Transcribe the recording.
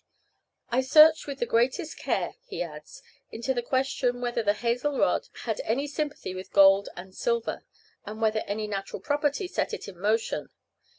"I searched with the greatest care," he adds, "into the question whether the hazel rod had any sympathy with gold and silver, and whether any natural property set it in motion.